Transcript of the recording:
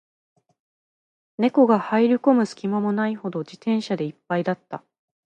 猫が入る込む隙間もないほど、自転車で一杯だった